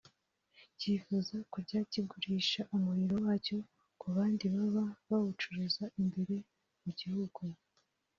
cyifuza kujya kigurisha umuriro wacyo ku bandi baba bawucuruza imbere mu gihugu